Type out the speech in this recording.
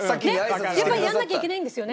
やっぱりやらなきゃいけないんですよね？